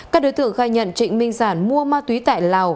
các đối tượng khai nhận trịnh minh sản mua ma túy tại lào